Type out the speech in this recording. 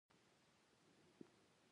چېرته په بکس کې ساتلی شوو نه یې ساته.